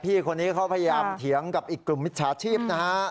พี่คนนี้เขาพยายามเถียงกับอีกกลุ่มมิจฉาชีพนะฮะ